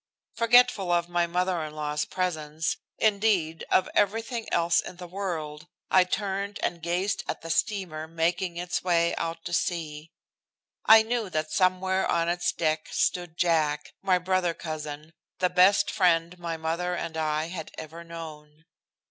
Forgetful of my mother in law's presence, indeed, of everything else in the world, I turned and gazed at the steamer making its way out to sea. I knew that somewhere on its decks stood Jack, my brother cousin, the best friend my mother and I had ever known.